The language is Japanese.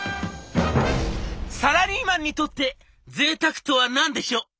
「サラリーマンにとってぜいたくとは何でしょう？